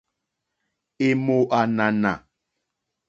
È mò ànànà.